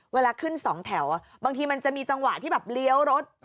เวลาขึ้น๒แถวบางทีมันจะมีจังหวะที่แบบเลี้ยวรถ